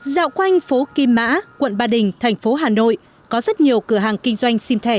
dạo quanh phố kim mã quận ba đình thành phố hà nội có rất nhiều cửa hàng kinh doanh sim thẻ